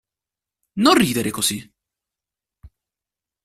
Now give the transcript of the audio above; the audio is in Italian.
Non ridere così.